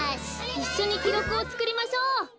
いっしょにきろくをつくりましょう。